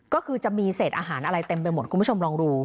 ก็คือจะมีเศษอาหารอะไรเต็มไปหมดคุณผู้ชมลองดู